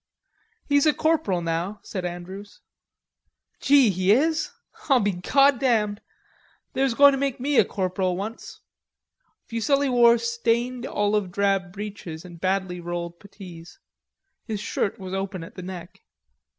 "He's a corporal now," said Andrews. "Gee he is.... I'll be goddamned.... They was goin' to make me a corporal once." Fuselli wore stained olive drab breeches and badly rolled puttees; his shirt was open at the neck.